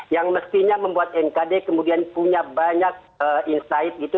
yang mestinya membuat mkd kemudian punya banyak insight gitu